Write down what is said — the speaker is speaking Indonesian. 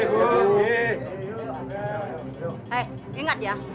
hei ingat ya